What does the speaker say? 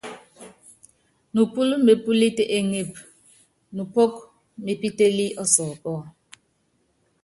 Nupɔ́l mepúlít éŋep, nupɔ́k mepítélí ɔsɔɔpɔ.